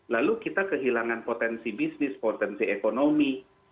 lalu kita kehilangan potensi bisnis potensi ekonomi